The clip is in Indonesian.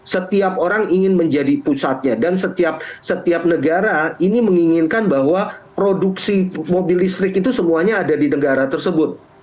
setiap orang ingin menjadi pusatnya dan setiap negara ini menginginkan bahwa produksi mobil listrik itu semuanya ada di negara tersebut